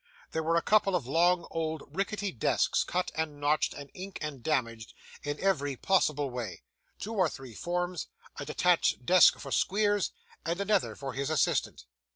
There were a couple of long old rickety desks, cut and notched, and inked, and damaged, in every possible way; two or three forms; a detached desk for Squeers; and another for his assistant.